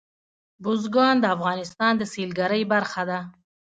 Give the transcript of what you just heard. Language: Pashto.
بزګان د افغانستان د سیلګرۍ برخه ده.